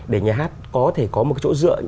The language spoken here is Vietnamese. để nhà hát có thể có một chỗ dựa